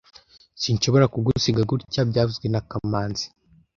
Sinshobora kugusiga gutya byavuzwe na kamanzi